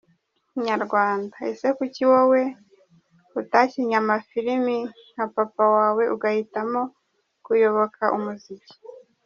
Inyarwanda: Ese kuki wowe utakinnye amafirimi nka Papa Wawe ugahitamo kuyoboka umuziki?.